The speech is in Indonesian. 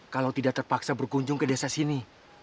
kalau tidak terpaksa berkunjung ke desa sini